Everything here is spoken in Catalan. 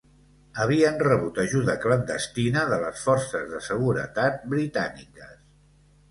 Havien rebut ajuda clandestina de les forces de seguretat britàniques.